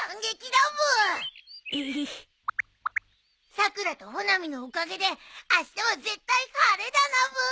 さくらと穂波のおかげであしたは絶対晴れだなブー。